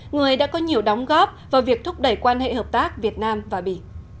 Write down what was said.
người đã có nhiều đóng góp vào việc thúc đẩy quan hệ hợp tác việt nam và bỉ